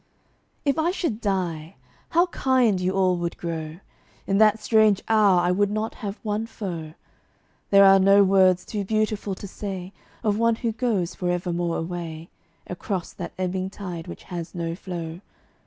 If I should die, how kind you all would grow! In that strange hour I would not have one foe. There are no words too beautiful to say Of one who goes forevermore away Across that ebbing tide which has no flow.